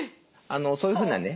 そういうふうなね